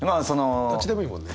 どっちでもいいもんね。